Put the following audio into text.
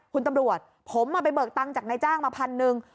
คุณตำรวจผมไปเบิกตังค์จากนายจ้างมาพันหนึ่ง